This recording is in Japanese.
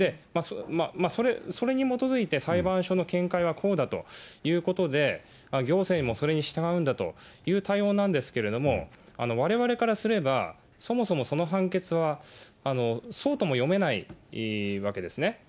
それに基づいて、裁判所の見解はこうだということで、行政もそれに従うんだという対応なんですけれども、われわれからすれば、そもそもその判決はそうとも読めないわけですね。